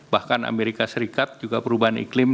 bahkan amerika serikat juga perubahan iklim